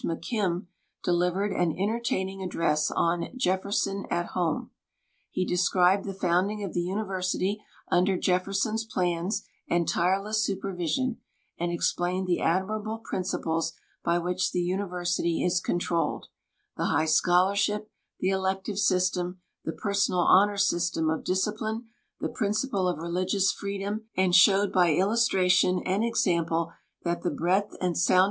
IMcKim delivered an entertaining address on " Jefferson at Home." He described the founding of the university under Jefferson's plans and tireless supervision, and explained the admirable principles by which the university is controlled — the high scholarship, the elective system, the personal honor system of discipline, the j)rincii)le of religious freedom — and showed by illustration and exam})le tliat the breadth and soundne.